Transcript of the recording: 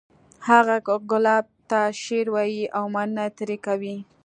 هغه ګلاب ته شعر وایی او مننه ترې کوي